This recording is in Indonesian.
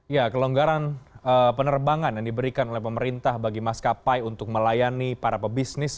ya kelonggaran penerbangan yang diberikan oleh pemerintah bagi maskapai untuk melayani para pebisnis